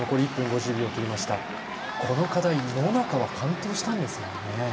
この課題、野中は完登したんですよね。